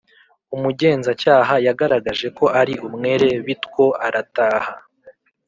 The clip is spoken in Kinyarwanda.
Umugenza cyaha yagaragaje ko ari umwere bitwo arataha